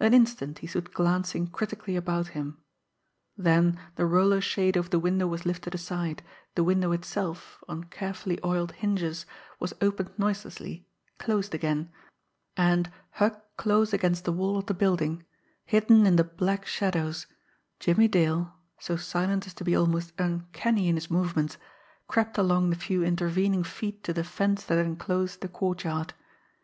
An instant he stood glancing critically about him; then the roller shade over the window was lifted aside, the window itself, on carefully oiled hinges, was opened noiselessly, closed again and, hugged close against the wall of the building, hidden in the black shadows, Jimmie Dale, so silent as to be almost uncanny in his movements, crept along the few intervening feet to the fence that enclosed the courtyard.